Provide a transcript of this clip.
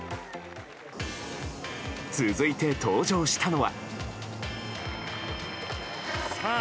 続いて、登場したのは。